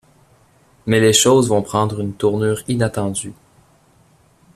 Mais les choses vont prendre une tournure inattendue.